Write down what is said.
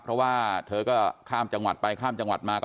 เพราะว่าเธอก็ข้ามจังหวัดได้